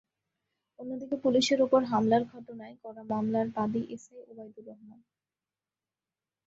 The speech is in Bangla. অন্যদিকে, পুলিশের ওপর হামলার ঘটনায় করা মামলার বাদী এসআই ওবায়দুর রহমান।